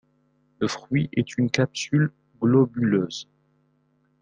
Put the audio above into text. Le fruit est une capsule globuleuse.